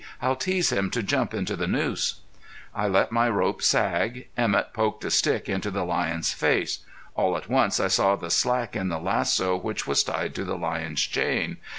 "I'll tease him to jump into the noose." I let my rope sag. Emett poked a stick into the lion's face. All at once I saw the slack in the lasso which was tied to the lion's chain.